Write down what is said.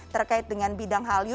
terkait dengan bidang hallyu